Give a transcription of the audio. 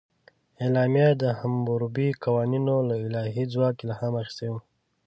اعلامیه د حموربي قوانینو له الهي ځواک الهام اخیستی و.